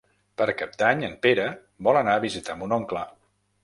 Per Cap d'Any en Pere vol anar a visitar mon oncle.